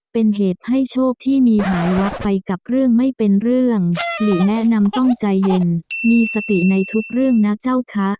เป็นเหตุให้โชคที่มีหายวับไปกับเรื่องไม่เป็นเรื่องหลีแนะนำต้องใจเย็นมีสติในทุกเรื่องนะเจ้าคะ